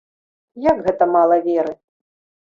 Як гэта мала веры?